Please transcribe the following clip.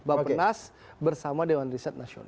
bapak penas bersama dewan riset nasional